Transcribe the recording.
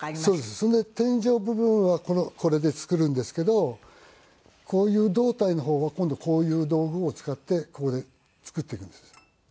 それで天井部分はこれで作るんですけどこういう胴体の方は今度こういう道具を使ってここで作っていくんです。